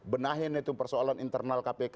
benahin itu persoalan internal kpk